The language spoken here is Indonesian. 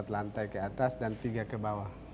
empat lantai ke atas dan tiga ke bawah